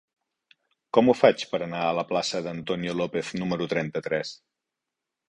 Com ho faig per anar a la plaça d'Antonio López número trenta-tres?